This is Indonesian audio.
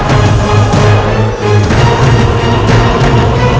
selasi selasi bangun